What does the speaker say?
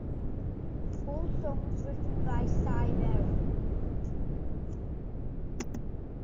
All songs written by Siberry.